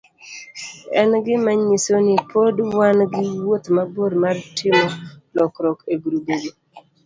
En gima nyiso ni pod wan gi wuoth mabor mar timo lokruok e grubego,